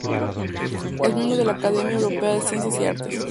Es miembro de la Academia Europea de Ciencias y Artes.